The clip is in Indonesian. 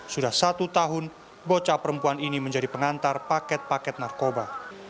sudah satu tahun bocah perempuan ini menjadi pengantar paket paket narkoba